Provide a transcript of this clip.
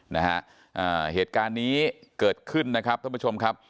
นะฮะอ่าเหตุการณ์นี้เกิดขึ้นนะครับท่านผู้ชมครับ